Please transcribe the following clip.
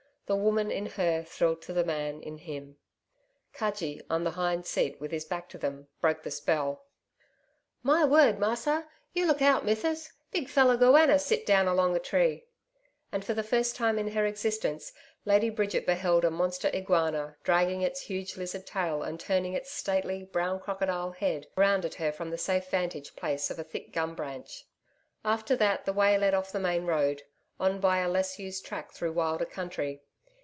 The Woman in her thrilled to the Man in him. Cudgee, on the hind seat with his back to them, broke the spell. 'My word, Massa! You look out, Mithsis big feller goanner sit down along a tree.' And for the first time in her existence, Lady Bridget beheld a monster iguana dragging its huge lizard tail and turning its stately, brown crocodile head round at her from the safe vantage place of a thick gum branch. After that, the way led off the main road, on by a less used track through wilder country.